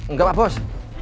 nggak pak bos